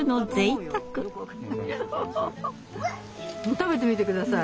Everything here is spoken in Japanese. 食べてみて下さい。